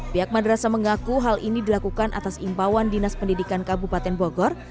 pihak madrasah mengaku hal ini dilakukan atas imbauan dinas pendidikan kabupaten bogor